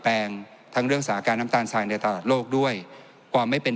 แปลงทั้งเรื่องสาการน้ำตาลทรายในตลาดโลกด้วยความไม่เป็น